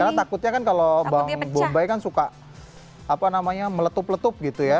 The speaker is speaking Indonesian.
karena takutnya kan kalau bombay kan suka meletup letup gitu ya